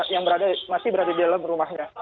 yang masih berada di dalam rumahnya